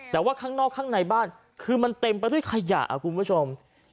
แต่ว่าข้างนอกข้างในบ้านคือมันเต็มไปด้วยขยะคุณผู้ชม